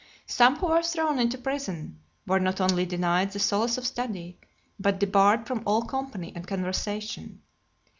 Some, who were thrown into prison, were not only denied the solace of study, but debarred from all company and conversation.